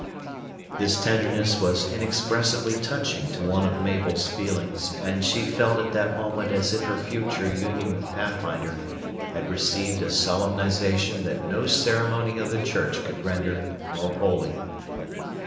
This tenderness was inexpressibly touching to one of Mabel's feelings; and she felt at that moment as if her future union with Pathfinder had received a solemnization that no ceremony of the Church could render more holy.